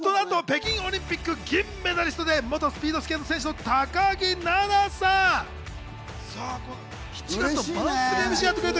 なんと北京オリンピック銀メダリストで元スピードスケート選手の高木菜那さん。